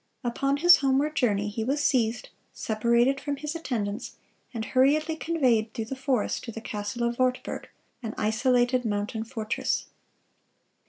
Upon his homeward journey, he was seized, separated from his attendants, and hurriedly conveyed through the forest to the castle of Wartburg, an isolated mountain fortress.